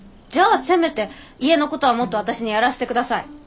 じゃあせめて家のことはもっと私にやらせてください。